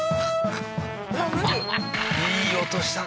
いい音したな。